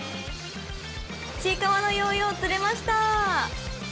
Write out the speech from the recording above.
ちいかわのヨーヨー釣れました。